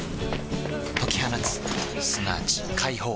解き放つすなわち解放